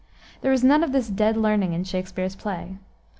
There is none of this dead learning in Shakspere's play.